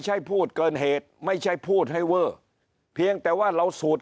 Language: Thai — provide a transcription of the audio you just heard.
ใช่พูดเกินเหตุไม่ใช่พูดให้เวอร์เพียงแต่ว่าเราสูด